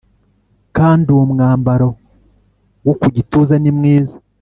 Kandi uwo mwambaro wo ku gituza nimwiza